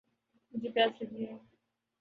مجھے پیاس لگی ہے